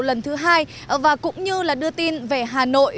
đó là lần đầu lần thứ hai và cũng như là đưa tin về hà nội